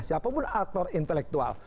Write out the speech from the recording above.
siapapun aktor intelektual